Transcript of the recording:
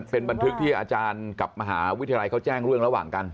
เป็นบันทึกที่อาจารย์กับมหาวิทยาลัยเขาแจ้งเรื่องระหว่างกัน